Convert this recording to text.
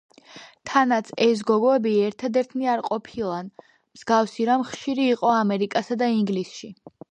თანაც ეს გოგოები ერთადერთნი არ ყოფილან, მსგავსი რამ ხშირი იყო ამერიკასა და ინგლისში.